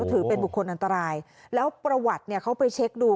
ถือเป็นบุคคลอันตรายแล้วประวัติเนี่ยเขาไปเช็คดู